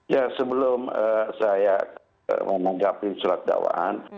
ya sebelum saya menanggapi surat dakwaan